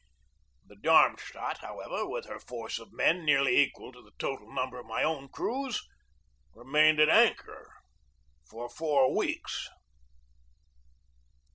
The Darmstadt, however, with her force of men nearly equal to the total number of my own crews, remained at anchor for four weeks.